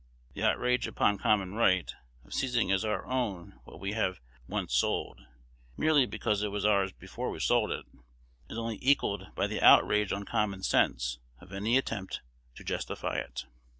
The outrage upon common right, of seizing as our own what we have once sold, merely because it was ours before we sold it, is only equalled by the outrage on common sense of any attempt to justify it.